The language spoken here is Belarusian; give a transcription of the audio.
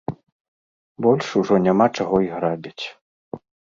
Больш ужо няма чаго і грабіць.